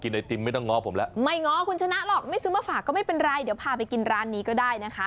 นี่ค่ะคุณไม่ง้อคุณชนะหรอกไม่ซื้อมาฝากก็ไม่เป็นไรเดี๋ยวพาไปกินร้านนี้ก็ได้นะคะ